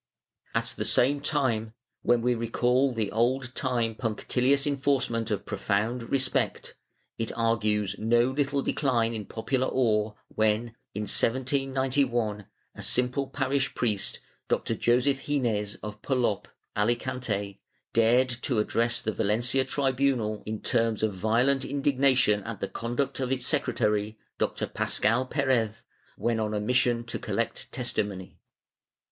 392 DECADENCE AND EXTINCTION [Book IX At the same time, when we recall the old time punctilious enforcement of profound respect, it argues no little decline in popular awe when, in 1791, a simple parish priest, Dr. Joseph Gines of Polop (Alicante) dared to address the Valencia tribunal in terms of violent indignation at the conduct of its secretary. Dr. Pasqual Perez, when on a mission to collect testimony.